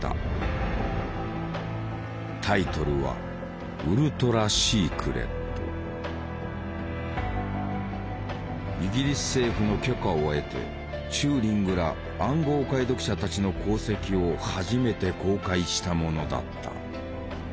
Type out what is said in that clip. タイトルはイギリス政府の許可を得てチューリングら暗号解読者たちの功績を初めて公開したものだった。